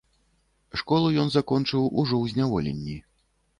Школу ён закончыў ужо ў зняволенні.